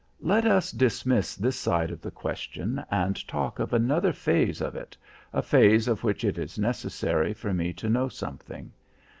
"Let us dismiss this side of the question and talk of another phase of it, a phase of which it is necessary for me to know something.